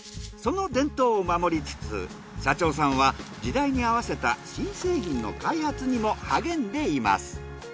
その伝統を守りつつ社長さんは時代に合わせた新製品の開発にも励んでいます。